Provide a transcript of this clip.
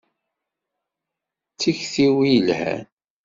D tikti-iw i yelhan.